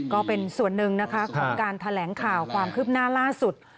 ก็เป็นส่วนหนึ่งนะคะของการแถลงข่าวความคืบหน้าล่าสุด